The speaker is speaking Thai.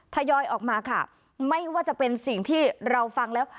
ยอยออกมาค่ะไม่ว่าจะเป็นสิ่งที่เราฟังแล้ว